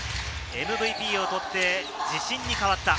ＭＶＰを取って自信に変わった。